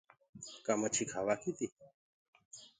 ڪآ مڇي کآوآ ڪي تي؟